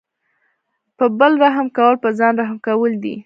په بل رحم کول په ځان رحم کول دي.